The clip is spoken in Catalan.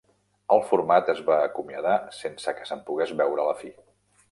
El format es va acomiadar sense que se'n pogués veure la fi.